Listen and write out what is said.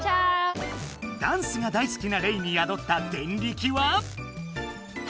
ダンスが大好きなレイにやどったデンリキは？